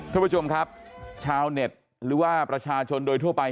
ท่านผู้ชมครับชาวเน็ตหรือว่าประชาชนโดยทั่วไป